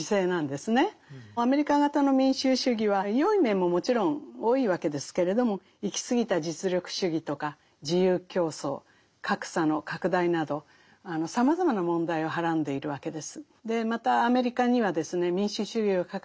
アメリカ型の民主主義はよい面ももちろん多いわけですけれども行き過ぎた実力主義とか自由競争格差の拡大などさまざまな問題をはらんでいるわけです。